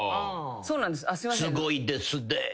「すごいですねぇ」